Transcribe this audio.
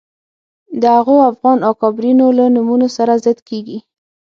د هغو افغان اکابرینو له نومونو سره ضد کېږي